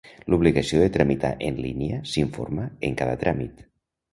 L'obligació de tramitar en línia s'informa en cada tràmit.